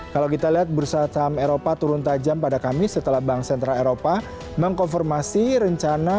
kalau kita lihat bursa saham eropa turun tajam pada kamis setelah bank sentral eropa mengkonfirmasi rencana